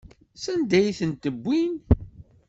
Sanda ay tent-wwin?